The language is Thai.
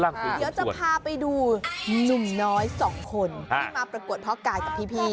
เดี๋ยวจะพาไปดูหนุ่มน้อยสองคนที่มาประกวดพ่อกายกับพี่